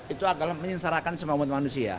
itu agar menyengsarakan semua umat manusia